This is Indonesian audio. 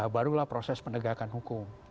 barulah proses penegakan hukum